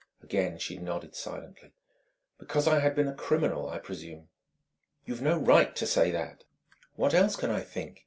Again she nodded silently. "Because I had been a criminal, I presume!" "You've no right to say that " "What else can I think?